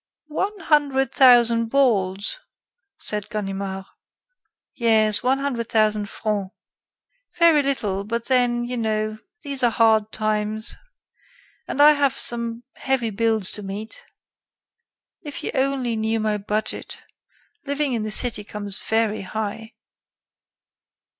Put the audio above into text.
"One hundred thousand balls?" said Ganimard. "Yes, one hundred thousand francs. Very little, but then, you know, these are hard times....And I have some heavy bills to meet. If you only knew my budget.... living in the city comes very high."